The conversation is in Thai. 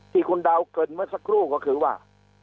ที่คุณดาวเกิดเมื่อสักครู่ก็คือว่า